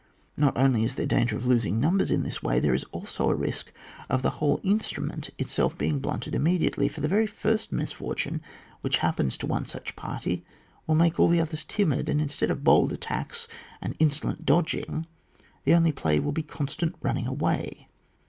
Not only is there danger of losing numbers in this way; there is also a risk of the whole instrument itself being blunted immediately ; for the very first misfortune which happens to one such party will make all the others timid, and instead of bold attacks and insolent dodging, the only play will be constant running away.